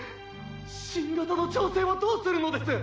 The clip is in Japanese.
新型の調整はどうするのです！？」